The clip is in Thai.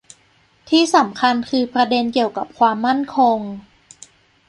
ที่สำคัญคือประเด็นเกี่ยวกับความมั่นคง